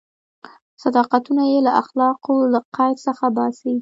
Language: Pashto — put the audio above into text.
صداقتونه یې له اخلاقو له قید څخه باسي.